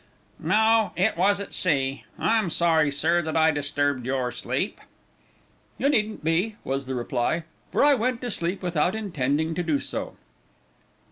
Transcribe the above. "No, it was at sea. I'm sorry, sir, that I disturbed your sleep." "You needn't be," was the reply, "for I went to sleep without intending to do so."